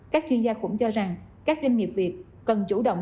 các chuyên gia cũng cho rằng các doanh nghiệp việt cần chủ động